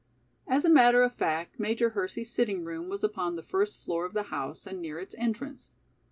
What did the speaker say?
As a matter of fact Major Hersey's sitting room was upon the first floor of the house and near its entrance.